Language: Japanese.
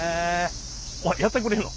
あっやってくれんの？